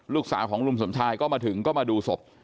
ลูกสาวของลุงสมชายก็มาถึงก็มาดูศพ